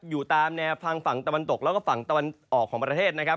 อยู่ตามแนวทางฝั่งตะวันตกแล้วก็ฝั่งตะวันออกของประเทศนะครับ